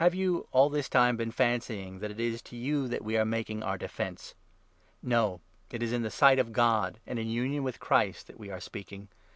Have you all this time been fancying that 19 ' n*' it is to you that we are making our defence ? No, it is in the sight of God, and in union with Christ, that we are speaking.